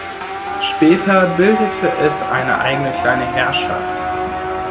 Später bildete es eine eigene kleine Herrschaft.